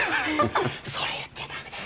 それ言っちゃ駄目だよ。